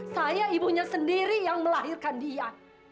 saya ibunya sendiri yang melahirkan dia